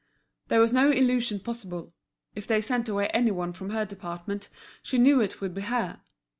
There was no illusion possible; if they sent away any one from her department she knew it would be her.